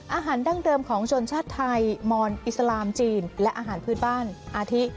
ดั้งเดิมของชนชาติไทยมอนอิสลามจีนและอาหารพื้นบ้านอาทิ